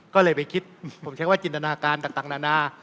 ก็เลยไปคิดผมใช้ว่าจินตนาการต่างนานา